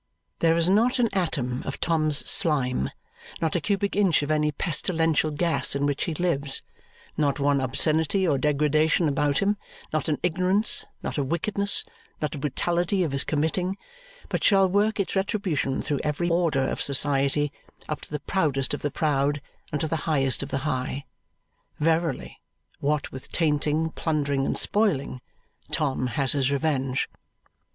There is not an atom of Tom's slime, not a cubic inch of any pestilential gas in which he lives, not one obscenity or degradation about him, not an ignorance, not a wickedness, not a brutality of his committing, but shall work its retribution through every order of society up to the proudest of the proud and to the highest of the high. Verily, what with tainting, plundering, and spoiling, Tom has his revenge.